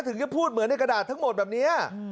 ถึงจะพูดเหมือนในกระดาษทั้งหมดแบบนี้